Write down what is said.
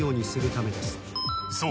［そう。